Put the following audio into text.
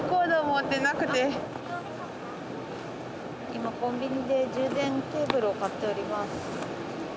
今コンビニで充電ケーブルを買っております。